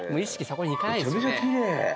めちゃめちゃきれい！